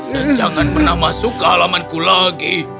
dan jangan pernah masuk ke alamanku lagi